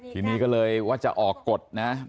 ทีนี้ก็เลยว่าจะออกกฎนะ